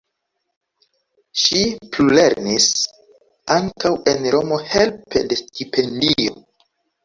Ŝi plulernis ankaŭ en Romo helpe de stipendio.